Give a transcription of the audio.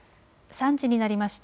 ３時になりました。